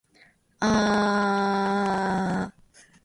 aaaaaaaaaaaaaaaaaaaaaaaaaaaaaaaaaaa